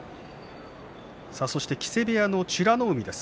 木瀬部屋の美ノ海です。